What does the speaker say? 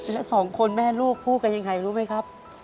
แล้วสองคนแม่ลูกพูดกันยังไงรู้ไหมครับ